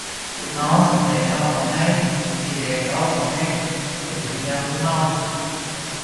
Maltas eiro monētas ir eiro monētas, kuras izdevusi Malta.